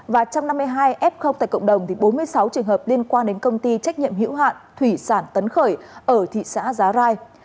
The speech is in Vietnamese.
và trong năm mươi hai f tại cộng đồng thì bốn mươi sáu trường hợp liên quan đến công ty trách nhiệm hữu hạn thủy sản tấn khởi ở thị xã giá rai